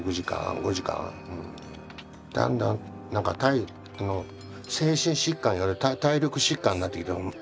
だんだん精神疾患より体力疾患なってきたもん。